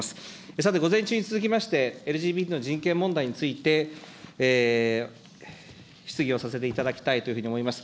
さて、午前中に続きまして、ＬＧＢＴの人権問題について、質疑をさせていただきたいというふうに思います。